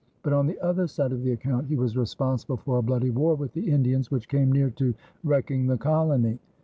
But on the other side of the account he was responsible for a bloody war with the Indians which came near to wrecking the colony.